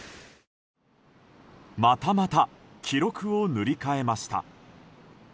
またまた記録を塗り替えました。